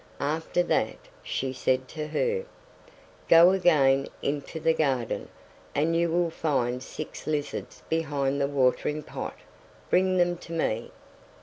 After that, she said to her: "Go again into the garden, and you will find six lizards behind the watering pot, bring them to me."